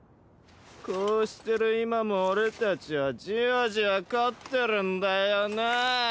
こうしてる今も俺たちはじわじわ勝ってるんだよなぁあ。